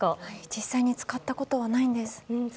実際に使ったことはないんです。